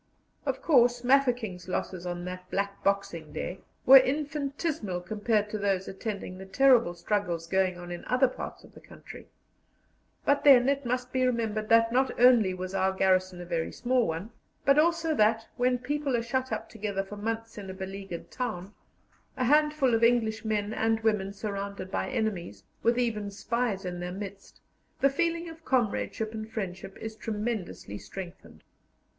Of course Mafeking's losses on that black Boxing Day were infinitesimal compared to those attending the terrible struggles going on in other parts of the country; but, then, it must be remembered that not only was our garrison a very small one, but also that, when people are shut up together for months in a beleaguered town a handful of English men and women surrounded by enemies, with even spies in their midst the feeling of comradeship and friendship is tremendously strengthened.